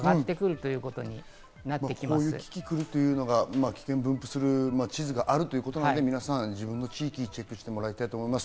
こういうキキクルというのがあるということなので、皆さん、自分の地域をチェックしてもらいたいと思います。